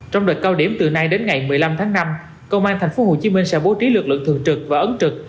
trong đợt cao điểm từ nay đến ngày một mươi năm tháng năm công an tp hcm sẽ bố trí lực lượng thường trực và ấn trực